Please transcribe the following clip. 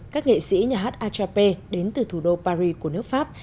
các nghệ sĩ nhà hát achape đến từ thủ đô paris của nước pháp